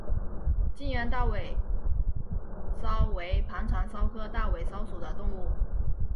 近缘大尾蚤为盘肠蚤科大尾蚤属的动物。